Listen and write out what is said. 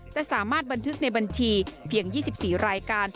แต่สามารถบันทึกในบัญชีเพียง๒๔รายการ